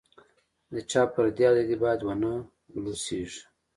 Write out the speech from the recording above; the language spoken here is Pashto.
د چا فردي ازادي باید ونه بلوسېږي.